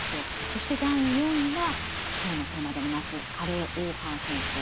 そして第４位が今日のテーマであります加齢黄斑変性。